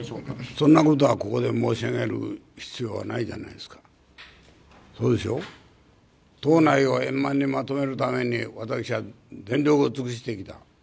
そんなことはここで申し上げる必要はないじゃないですか、そうでしょう党内を円満にまとめるために、私は全力を尽くしてきた